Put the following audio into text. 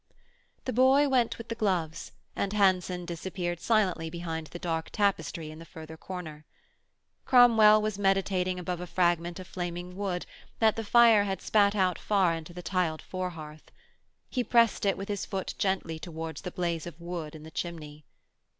The boy went with the gloves and Hanson disappeared silently behind the dark tapestry in the further corner. Cromwell was meditating above a fragment of flaming wood that the fire had spat out far into the tiled fore hearth. He pressed it with his foot gently towards the blaze of wood in the chimney.